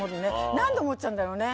何で思っちゃうんだろうね。